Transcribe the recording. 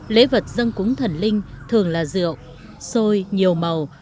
lễ vật dân cúng thần linh thường là rượu xôi nhiều màu